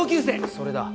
それだ。